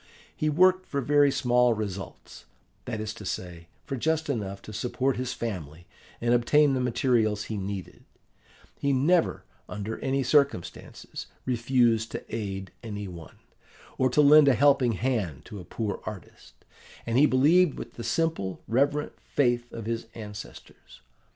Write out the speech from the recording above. He worked for very small results; that is to say, for just enough to support his family and obtain the materials he needed; he never, under any circumstances, refused to aid any one, or to lend a helping hand to a poor artist; and he believed with the simple, reverent faith of his ancestors.